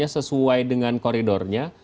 sesuai dengan koridornya